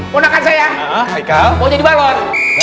mau jadi balon